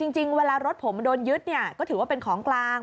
จริงเวลารถผมโดนยึดเนี่ยก็ถือว่าเป็นของกลาง